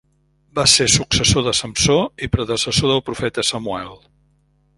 Va ser successor de Samsó, i predecessor del profeta Samuel.